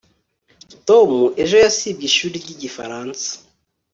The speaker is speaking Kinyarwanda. tom ejo yasibye ishuri ryigifaransa